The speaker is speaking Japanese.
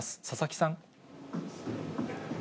佐々木さん。